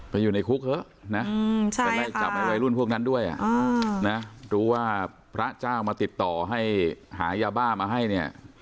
อยู่ในคุกเถอะนะจะไล่จับไอ้วัยรุ่นพวกนั้นด้วยนะรู้ว่าพระเจ้ามาติดต่อให้หายาบ้ามาให้เนี่ย